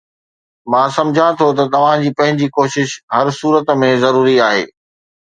مان سمجهان ٿو ته توهان جي پنهنجي ڪوشش هر صورت ۾ ضروري آهي.